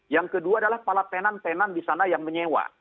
yang kedua adalah pala penan penan di sana yang menyewa